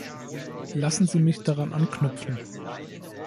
Lassen Sie mich daran anknüpfen.